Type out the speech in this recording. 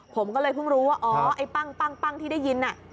ผมก็เลยเพิ่งรู้ว่าอ๋อไอ้ปั้งที่ได้ยิน